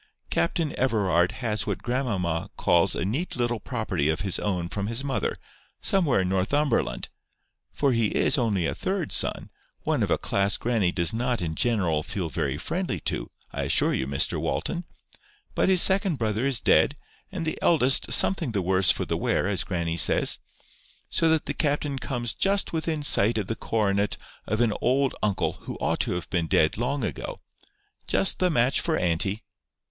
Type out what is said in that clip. Captain Everard has what grandmamma calls a neat little property of his own from his mother, somewhere in Northumberland; for he IS only a third son, one of a class grannie does not in general feel very friendly to, I assure you, Mr Walton. But his second brother is dead, and the eldest something the worse for the wear, as grannie says; so that the captain comes just within sight of the coronet of an old uncle who ought to have been dead long ago. Just the match for auntie!"